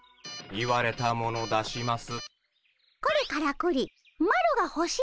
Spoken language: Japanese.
言われたもの出します。